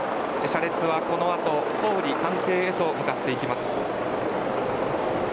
車列はこのあと総理官邸へと向かっていきます。